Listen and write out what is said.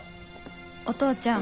お父ちゃん